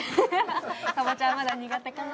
かぼちゃはまだ苦手かな？